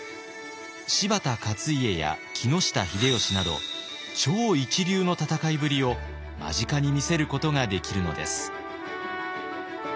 柴田勝家や木下秀吉など超一流の戦いぶりを間近に見せることができるのです。